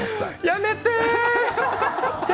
やめてー！